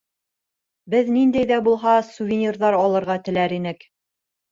Беҙ ниндәй ҙә булһа сувенирҙар алырға теләр инек.